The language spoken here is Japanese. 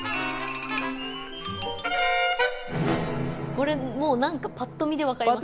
これもう何かぱっと見で分かりますね。